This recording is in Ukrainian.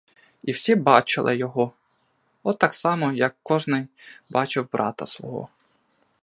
І всі бачили його — от так само, як кожний бачив брата свого.